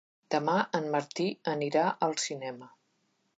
Demà en Martí anirà al cinema.